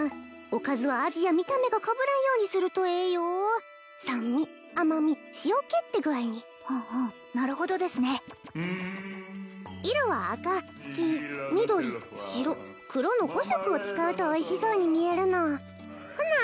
おかずは味や見た目がかぶらんようにするとええよ酸味甘み塩気って具合にうんうんなるほどですね色は赤黄緑白黒の５色を使うとおいしそうに見えるのほな